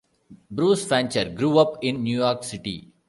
Bruce Fancher grew up in New York City.